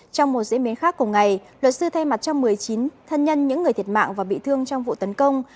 trong một diễn biến khác cùng ngày luật sư thay mặt cho một mươi chín thân nhân những người thiệt mạng và bị thương trong vụ tấn công